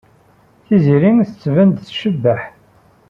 Tiziri tettban-d tecbeḥ.